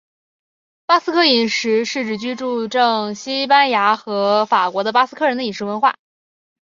巴斯克饮食是指居住证西班牙和法国的巴斯克人的饮食文化。